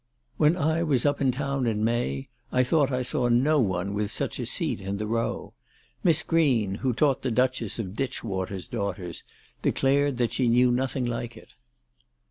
When I was up in town in May I thought I saw no one with such a seat in the row. Miss Green, who taught the Duchess of Ditchwater's daughters, declared that she knew nothing like it."